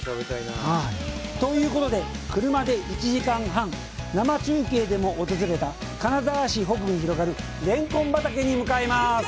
ということで、車で１時間半、生中継でも訪れた金沢市の北部に広がるレンコン畑に向かいます。